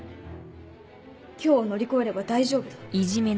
今日を乗り越えれば大丈夫だ。